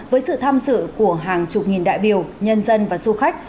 với sự tham dự của hàng chục nghìn đại biểu nhân dân và du khách